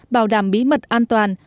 bảo đảm bí mật an toàn